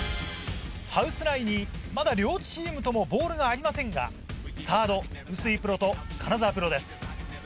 ハウス内にまだ両チームともボールがありませんがサード臼井プロと金澤プロです。